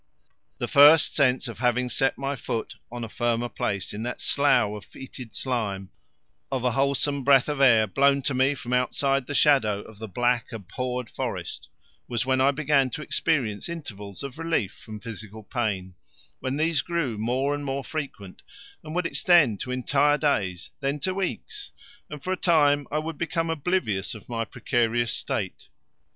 The first sense of having set my foot on a firmer place in that slough of fetid slime, of a wholesome breath of air blown to me from outside the shadow of the black abhorred forest, was when I began to experience intervals of relief from physical pain, when these grew more and more frequent and would extend to entire days, then to weeks, and for a time I would become oblivious of my precarious state.